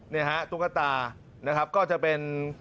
นี่ฮะตุ๊กตานะครับก็จะเป็น